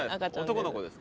男の子です。